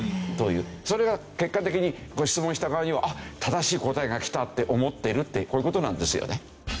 それが結果的に質問した側にはあっ正しい答えがきたって思ってるってこういう事なんですよね。